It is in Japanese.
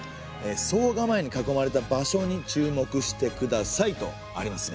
惣構に囲まれた場所に注目してくださいとありますね。